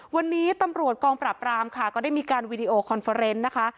วันนี้ตำรวจกองปราบรามค่ะก็ได้มีการวีดีโอคอนเฟอร์เนสนะคะ